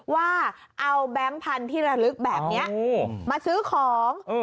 ว่าเอาแบงค์พันธุ์ที่ระลึกแบบนี้มาซื้อของ